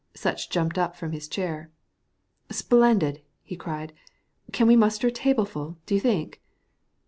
Sutch jumped up from his chair. "Splendid!" he cried. "Can we muster a tableful, do you think?"